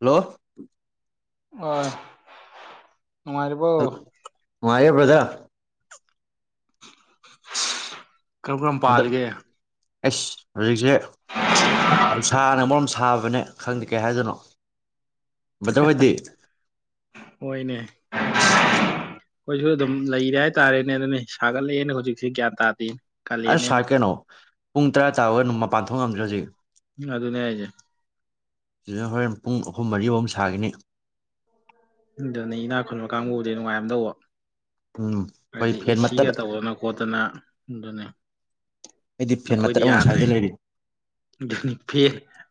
hello ꯃꯥꯔꯔꯤꯕꯣ ꯔꯕꯖ [unintelligible] ꯀꯔꯝ ꯀꯔꯝ ꯍꯟꯗꯛ ꯄꯥꯜꯂꯤꯒꯦ ꯑꯩꯁ ꯍꯧꯖꯤꯛꯁꯦ ꯑꯗꯨꯁꯥꯅ ꯃꯔꯣꯝ ꯁꯥꯕꯅꯦ ꯈꯪꯗꯦ ꯀꯩ ꯍꯥꯏꯗꯣꯏꯅꯣ ꯕ꯭ꯔꯗꯔ ꯍꯣꯏꯗꯤ ꯍꯣꯏꯅꯦ ꯑꯩꯈꯣꯏꯁꯨ ꯑꯗꯨꯝ ꯂꯩꯔꯦ ꯍꯥꯏꯇꯥꯔꯦ ꯅ ꯅ ꯅ ꯁꯒꯂ ꯂꯩꯩꯅꯅ ꯍꯧꯖꯤ ꯎꯆꯁꯤꯒ꯭ꯌꯥ ꯇꯥ ꯑ ꯁꯥꯀꯦꯅꯣ ꯄꯨꯡꯪ ꯇ꯭ꯔꯥ ꯇ ꯑꯣꯏꯔ ꯃ ꯄꯥꯟꯊꯣꯛ ꯉꯝꯗ꯭ꯔꯁꯤ ꯑꯗꯨ ꯑꯗꯨꯅ ꯍꯥꯏꯖꯦ ꯁꯤꯗ ꯍꯣꯔꯦꯟ ꯄꯨꯡ ꯑꯍꯨꯝ ꯃꯔꯤꯐꯥꯎꯨꯝ ꯁꯥꯈꯤꯅꯤ ꯑꯗꯨ ꯑꯗꯨꯅꯤ ꯏꯅꯥꯛ ꯈꯨꯟꯕ ꯀꯥꯡꯕꯨꯗꯤ ꯅꯨꯡꯉꯥꯏꯝ ꯇꯧꯕ ꯎꯝ ꯑꯩꯈꯣꯏ ꯍꯥꯏꯗꯤ ꯐꯦꯟ ꯃꯇꯠ ꯑꯦꯁꯤꯒ ꯇꯧꯗꯅ ꯈꯣꯠꯇꯅ ꯗꯅꯦ ꯑꯩꯗꯤ ꯐꯦꯟ ꯃꯇꯔꯛ ꯑꯃ ꯁꯁ꯭ꯏꯗ ꯂꯩꯔꯤ ꯑꯗꯨ ꯐ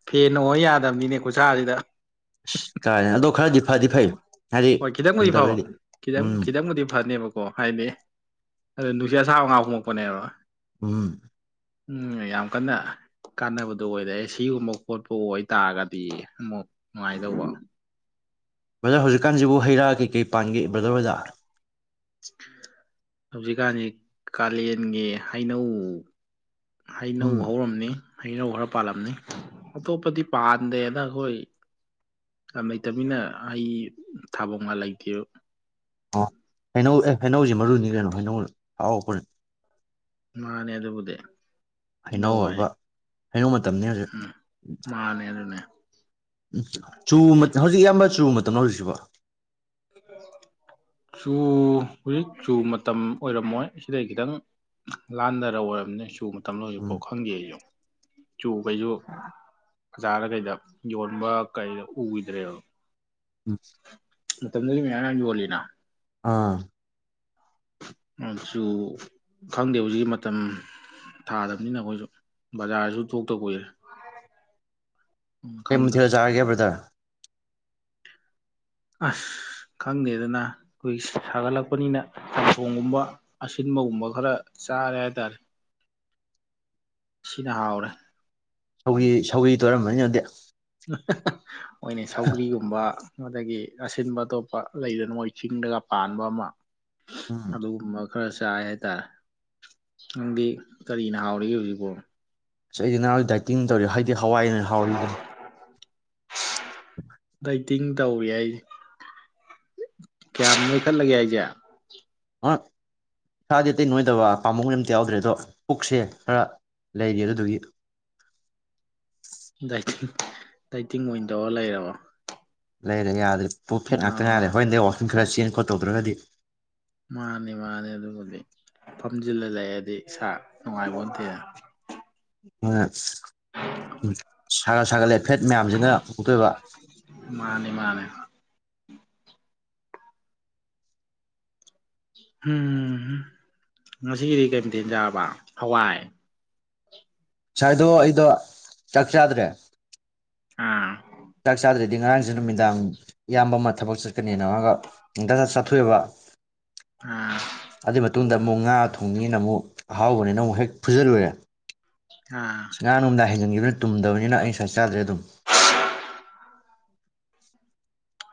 ꯐꯦ ꯅꯣꯡꯉ ꯌꯥꯗꯕꯅꯤꯅꯦ ꯈꯨꯠꯁꯥꯁꯤꯗ ꯀꯥꯏ ꯑꯗꯣ ꯈꯔꯗꯤ ꯐꯗꯤ ꯐꯩ ꯍꯥꯏꯗꯤ ꯍꯣꯏ ꯈꯤꯇꯪꯕꯨꯗꯤ ꯐꯕ ꯈꯨꯝꯗꯕꯗꯗꯤ ꯈꯤꯇꯪ ꯎꯝ ꯑꯗꯨꯣ ꯅꯨꯡꯁꯤꯠ ꯑꯁꯥ ꯃꯉꯥ ꯐꯣꯡꯉꯛꯄꯅꯦꯕꯣ ꯎꯝ ꯎꯝ ꯌꯥꯝ ꯀꯟꯅ ꯀꯥꯟꯅꯕꯗꯨꯣ ꯑꯣꯏꯔꯦ ꯁꯤꯒꯨꯝꯕ ꯈꯣꯠꯄꯨ ꯑꯣꯏꯇꯥꯔꯒꯗꯤ ꯑꯃꯨꯛ ꯅꯨꯡꯉꯥꯏꯗꯧꯕ ꯕ꯭ꯔꯗꯔ ꯍꯧꯖꯤꯛꯀꯥꯟꯁꯤꯕꯨ ꯍꯩ ꯔꯥ ꯀꯩꯀꯩ ꯄꯥꯟꯒꯦ ꯕ꯭ꯔꯥꯗꯔ ꯍꯗ ꯍꯧꯖꯤꯛꯀꯥꯟꯗꯤ ꯀꯥꯂꯦꯟꯒꯤ ꯍꯩꯅꯧ ꯍꯩꯅꯧ ꯎꯝ ꯍꯧꯔꯝꯅꯤ ꯍꯩꯅꯧ ꯈꯔ ꯄꯥꯜꯂꯝꯅꯤ ꯑꯇꯣꯞꯄꯗꯤ ꯄꯥꯟꯗꯦꯅ ꯑꯩꯈꯣꯏ ꯌꯥꯝ ꯂꯩꯇꯃꯤꯅ ꯍꯩ ꯊꯥꯕꯐꯝꯒ ꯂꯩꯇꯦ ꯑꯣ ꯍꯩꯅꯧ ꯑꯦ ꯍꯩꯅꯧꯁꯤ ꯃꯔꯨꯅꯤ ꯀꯩꯅꯣ ꯍꯩꯅꯧ ꯍꯥꯎꯄꯔ ꯃꯥꯅꯦꯦ ꯑ ꯑꯗꯨꯕꯨꯗꯦ ꯍꯩꯅꯧꯕ ꯍꯩꯅꯧ ꯃꯇꯝꯅꯤ ꯍꯧꯖꯤꯛ ꯎꯝ ꯃꯥꯅꯦ ꯑꯗꯨꯅꯦ ꯇꯅꯣꯁꯤꯕ ꯆꯨ ꯍꯧꯖꯤꯛ ꯆꯨ ꯃꯇꯝ ꯑꯣꯏꯔꯝꯃꯣꯏ ꯁꯤꯗꯩ ꯈꯤꯇꯪ ꯂꯥꯟꯊꯔ ꯑꯣꯏꯔꯝꯅꯤ ꯆꯨ ꯇꯅꯣꯁꯨ ꯎꯝ ꯄꯣꯛ ꯈꯪꯒꯦ ꯑꯩꯁꯨ ꯆꯨꯕꯌꯨ ꯑꯣꯖꯥꯔꯗ ꯀꯩꯗ ꯌꯣꯟꯕ ꯀꯩ ꯎꯈꯤꯗ꯭ꯔꯦꯕ ꯎꯝ ꯃꯇꯝꯝꯗ ꯃ ꯌꯥ ꯌꯣꯂꯤꯅꯥ ꯑꯥ ꯑꯗꯨꯁꯨ ꯈꯪꯗꯦ ꯍꯧꯖꯤꯛꯀꯤ ꯃꯇꯝ ꯊꯥꯗꯕꯅꯤꯅ ꯑꯩꯈꯣꯏꯁꯨ ꯕꯖꯥꯔꯗꯁꯨ ꯊꯣꯛꯇꯕ ꯀꯏꯔꯦ ꯀꯨ ꯊꯤ ꯆꯔꯑꯒꯦ ꯕ꯭ꯔꯗꯔ ꯑꯁ ꯈꯪꯗꯦꯗꯅ ꯑꯩꯈꯣꯏ ꯁꯥꯒꯠꯂꯛꯄꯅꯤꯅ ꯁꯥꯪꯊꯣꯡꯒꯨꯝꯕ ꯑꯁꯤꯟꯕꯒꯨꯝꯕ ꯈꯔ ꯆꯥꯔꯦ ꯍꯥꯏ ꯇꯔꯦ ꯁꯤꯅ ꯍꯥꯎꯔꯦ ꯁꯧꯒꯤ ꯁꯧꯤ ꯇꯣꯏꯔꯝꯕꯅꯤꯅꯗꯤ [inaudible] ꯃ ꯑꯣꯏꯅ ꯁꯧꯒ꯭ꯂꯤꯒꯨꯝꯕ ꯑꯗꯒꯤ ꯑꯁꯤꯟꯕ ꯑꯇꯣꯞꯄ ꯂꯩꯗꯅ ꯃꯣꯏ ꯆꯤꯡꯗꯒ ꯄꯥꯟꯕ ꯑꯃ ꯎꯝ ꯍꯗꯣ ꯈꯔ ꯆꯥꯏ ꯍꯥꯏꯇꯥꯔꯦ ꯅꯪꯗꯤ ꯀꯔꯤꯅ ꯍꯥꯎꯔꯤꯒꯦ ꯍꯧꯖꯤꯛꯐꯥꯎ ꯑꯁ ꯑꯩꯗꯤ ꯅꯍ ꯗꯥꯏꯇꯤꯡ ꯇꯧꯔꯤ ꯍꯥꯏ ꯍꯋꯥꯏ ꯍꯋꯥ [inaudible] ꯗꯩꯇ ꯇꯤꯡ ꯇꯧꯔꯤ ꯑꯩꯁꯦ ꯀꯌꯥꯝ ꯃꯣꯏꯈꯠꯂꯒꯦ ꯑꯩꯁꯦ ꯑꯥ ꯏꯁꯥꯗꯤ ꯑꯇꯩ ꯅꯣꯏꯗꯕ ꯄꯥꯃꯨꯡꯈꯩ ꯑꯝꯇ ꯌꯥꯎꯗ꯭ꯔꯦ ꯑꯗꯣ ꯄꯨꯛꯁꯦ ꯈꯔ ꯂꯩꯔꯤ ꯑꯗꯨꯒꯤ ꯇꯩꯇꯤꯡ ꯑꯣꯏꯅ ꯇꯧꯔ ꯂꯩꯔꯕ ꯂꯩ ꯂꯩꯦ ꯌꯥꯗ꯭ꯔꯔꯤ ꯄꯣ ꯐꯦꯛꯠ ꯉꯥꯛꯇ ꯑꯥ ꯉꯥꯏꯔꯦ ꯍꯣꯏꯗꯤ ꯑꯣ ꯁꯨꯝ ꯈꯔ ꯆꯦꯟ ꯈꯣꯠ ꯇꯧꯗ꯭ꯔꯒꯗꯤ ꯐꯍꯖꯤꯂ ꯍꯥꯏꯗꯤ ꯏꯁꯥ ꯅꯨꯡꯉꯥꯏꯕ ꯑꯣꯏꯅ ꯊꯦꯅ ꯎꯝ ꯁꯔ ꯁꯀꯂꯦ ꯐꯦꯠ ꯃꯌꯥꯝꯁꯤꯅ ꯄꯨꯊꯣꯛꯇꯣꯏꯕ ꯃꯥꯅꯤ ꯃꯥꯅꯤ ꯎꯝ ꯉꯁꯤꯒꯤꯗꯤ ꯀꯩꯝꯇꯦꯟꯖꯔꯕ ꯍꯋꯥꯏ ꯁꯥꯏꯗꯣ ꯑꯩꯗꯣ ꯆꯥꯛ ꯆꯥꯗ꯭ꯔꯦ ꯑꯥ ꯆꯥꯛ ꯆꯥꯗ꯭ꯔꯗꯤ ꯉꯔꯥꯡꯁꯦ ꯅꯨꯃꯤꯗꯥꯡ ꯏꯌꯥꯝꯕ ꯑꯃ ꯊꯕꯛ ꯆꯠꯀꯅꯤꯅ ꯃꯥꯒ ꯍꯗꯥꯛ ꯆꯥ ꯆꯥꯊꯣꯛꯑꯕ ꯑꯥ ꯑꯗꯨꯗ ꯃꯗ ꯑꯃꯨꯛ ꯉꯥ ꯊꯣꯡꯉꯦꯅ ꯑꯃꯨꯛ ꯑꯍꯥꯎꯕꯅꯤꯅ ꯑꯃꯨꯛ ꯍꯦꯛ ꯐꯨꯖꯤꯜꯂꯨꯔꯦ ꯑꯥ ꯁꯉꯅ ꯎꯗ ꯍꯥꯏ ꯈꯤꯕꯅꯤ ꯇꯨꯝꯗꯕꯅꯤꯅ ꯑꯩ ꯁ꯭ꯋꯥꯏ ꯆꯥꯗ꯭ꯔꯦ ꯑꯗꯨꯝ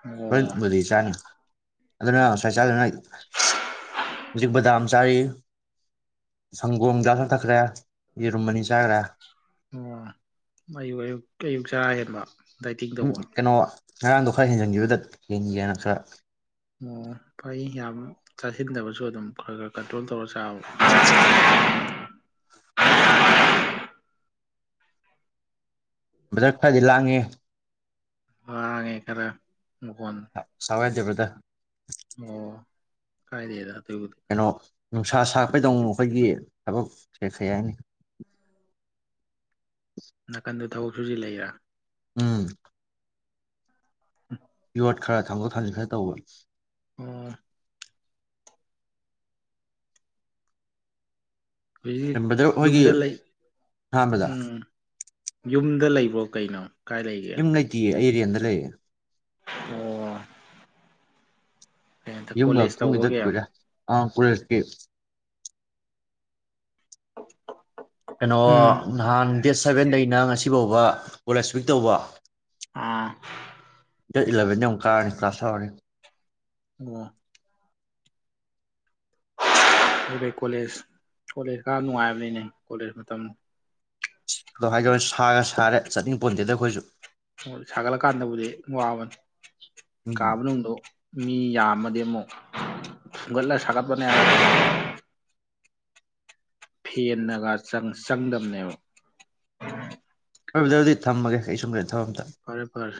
ꯑꯣ ꯍꯕꯨ ꯆꯥꯅꯤ ꯑꯗꯨꯗꯅ ꯁꯆꯥ ꯍꯥꯏ ꯍꯧ ꯗꯥꯝ ꯆꯥꯔꯤ ꯁꯪꯒꯣꯝꯗ ꯍꯊꯛꯈ꯭ꯔꯦ ꯌꯦꯔꯨꯝ ꯑꯅꯤ ꯆꯥꯈ꯭ꯔꯦ ꯑꯣ ꯑꯌꯨꯛ ꯑꯌꯨꯛ ꯑꯌꯨꯛ ꯆꯔ ꯍꯦꯟꯕ ꯗꯥꯏꯇꯤꯡ ꯎꯝ ꯇꯧꯕ ꯀꯩꯅꯣ ꯉꯔꯥꯡꯗꯣ ꯈꯔ ꯍꯦꯟꯖꯟꯈꯤꯕꯗ ꯍꯦꯟꯒꯦꯅ ꯈꯔ ꯑꯣ ꯐꯩ ꯌꯥꯝ ꯆꯥꯁꯤꯟꯗꯕꯁꯨ ꯑꯗꯨꯝ ꯈꯔ ꯈꯔ ꯀꯟꯇ꯭ꯔꯣꯜ ꯇꯧꯔꯁꯨ ꯆꯥꯎ ꯃꯊꯛ ꯐꯔꯗꯤ ꯂꯥꯡꯉꯤ ꯍ ꯉꯦ ꯈꯔꯦ ꯁꯋꯥꯏꯗꯦꯕꯗ ꯀꯥꯏꯔꯤꯗ ꯀꯩꯅꯣ ꯅꯨꯡꯁꯥ ꯁꯥꯥꯛꯄꯩꯗꯧ ꯑꯩꯈꯣꯏꯒꯤ ꯑꯕꯣ ꯆꯦꯁ ꯌꯥꯅꯤ ꯅ ꯀꯟꯗ ꯊꯕꯛ ꯁꯨꯁꯤ ꯂꯩꯔꯥ ꯎꯝ ꯎ ꯠ ꯈꯔ ꯊꯥꯡꯗꯣꯛ ꯊꯥꯡꯖꯤꯟ ꯈꯔ ꯇꯧꯕꯅꯤ ꯑꯣ ꯍꯧꯖꯤꯛ ꯅꯝꯕꯗꯔ ꯑꯩꯈꯣꯏꯒꯤ ꯌꯨꯝꯗ ꯂꯩ ꯑꯍꯥꯟꯕꯗ ꯎꯝ ꯌꯨꯝꯗ ꯂꯩꯕ꯭ꯔꯣ ꯀꯩꯅꯣ ꯀꯥꯏ ꯂꯩ ꯂꯩ ꯀ ꯑꯦꯔꯤꯌꯥꯗ ꯂꯩ ꯑꯣ ꯀꯩꯅꯣ ꯌꯨꯝꯒ ꯀꯣꯂꯦꯖ ꯀꯨꯡꯉꯗ ꯇꯧꯕꯒꯤ ꯀꯔꯦ ꯑ ꯀꯣꯂꯦꯖꯀꯤ ꯀꯩꯅꯣ ꯎꯝ ꯅꯍꯥꯟ ꯗꯦꯠ ꯁꯚꯦꯟꯗꯩꯅ ꯉꯁꯤ ꯁꯤꯐꯕ ꯀꯣꯂꯦꯖ ꯋꯤꯛ ꯇꯧꯕ ꯑꯥ ꯗꯦꯠ ꯏꯂꯚꯦꯟꯗ ꯌꯥꯝꯨꯛ ꯀꯥꯔꯅꯤ ꯀ꯭ꯂꯥꯁ ꯍꯧꯔꯅꯤ ꯋꯥ ꯑꯩꯕꯩ ꯀꯣꯂꯦꯖ ꯀꯣꯂꯦꯖ ꯈꯔ ꯅꯨꯡꯉꯥꯏꯕꯅꯤꯅꯦ ꯀꯣꯂꯦꯖ ꯃꯇꯝ ꯑꯗꯣ ꯍꯥꯏꯗꯧꯔꯦ ꯁꯥꯒ ꯁꯥꯔꯦ ꯆꯠꯅꯤꯡ ꯄꯣꯟꯗꯦꯗ ꯑꯩꯈꯣꯏꯁꯨ ꯁꯥꯒꯠꯂꯀꯥꯟꯗꯕꯨꯗꯤ ꯋꯥꯕꯅꯤ ꯎꯝ ꯀꯥꯕ ꯅꯗꯣ ꯃꯤ ꯌꯥꯝꯃꯗꯤ ꯑꯃꯨꯛ ꯊꯨꯝꯒꯠꯂ ꯁꯥꯒꯠꯄꯅꯦ ꯐꯦꯟꯅꯒ ꯆꯪꯗꯝꯗꯝꯅꯦꯕ ꯐꯕꯗ ꯑꯗꯨꯗꯤ ꯊꯝꯃꯒꯦ ꯑꯩ ꯁꯨꯝ ꯀꯗ ꯐꯔꯦ ꯐꯔ